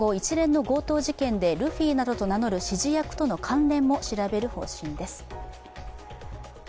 警視庁は今後、一連の強盗自演でルフィなどと名乗る指示役との関連も調べる方針です。